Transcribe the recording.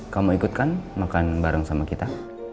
kamu ikut kan makan bareng sama kita